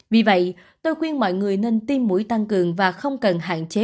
vì vậy tôi khuyên mọi người nên tiêm mũi tăng cường và không cần hạn chế